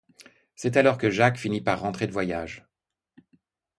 C'est alors que Jacques finit par rentrer de voyage.